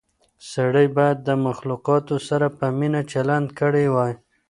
سړی باید د مخلوقاتو سره په مینه چلند کړی وای.